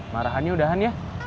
marahannya udahan ya